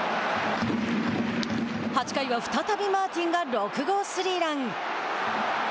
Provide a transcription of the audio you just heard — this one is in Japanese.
８回は、再びマーティンが６号スリーラン。